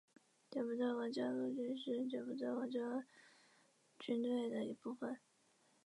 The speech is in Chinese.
柬埔寨王家陆军是柬埔寨王家军队的一部分。